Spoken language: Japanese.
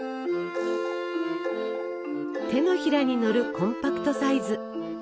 手のひらにのるコンパクトサイズ。